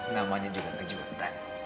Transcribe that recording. namanya juga kejutan